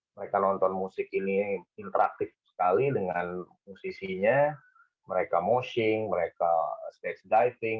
mereka nonton musik ini interaktif sekali dengan musisinya mereka moshing mereka stage diving